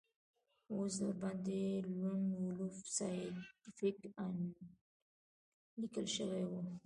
اوس ورباندې لون وولف سایینټیفیک انک لیکل شوي وو